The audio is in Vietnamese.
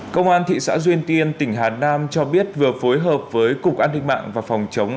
công an thị xã duyên tiên tỉnh hà nam cho biết vừa phối hợp với cục an ninh mạng và phòng chống